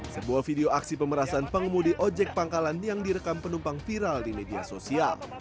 sebuah video aksi pemerasan pengemudi ojek pangkalan yang direkam penumpang viral di media sosial